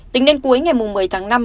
tính đến cuối ngày một mươi tháng năm